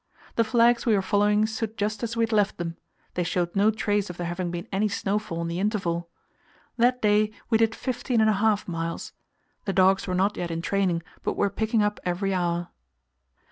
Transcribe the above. The flags we were following stood just as we had left them; they showed no trace of there having been any snowfall in the interval. That day we did fifteen and a half miles. The dogs were not yet in training, but were picking up every hour.